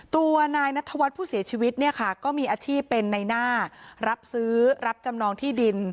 ตัวนายนัทวัฒน์ผู้เสียชีวิตเนี่ยค่ะก็มีอาชีพเป็นในหน้ารับซื้อรับจำนองที่ดิน